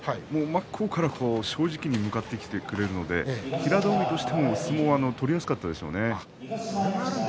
真っ向から正直に向かってきてくれるので平戸海としては相撲を取りやすかったんでしょうね。